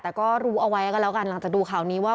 แต่ก็รู้เอาไว้ก็แล้วกันหลังจากดูข่าวนี้ว่า